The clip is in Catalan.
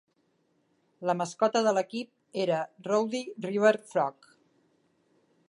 La mascota de l'equip era Rowdy River Frog.